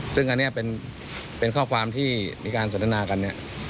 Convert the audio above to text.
ซึ่งอันนี้เป็นข้อความที่มีการสนทนากันเนี่ย